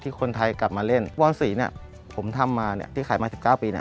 ที่คนไทยกลับมาเล่นวัน๔ผมทำมาที่ขายมา๑๙ปี